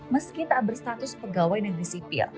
meski tak berstatus pegawai negeri sipil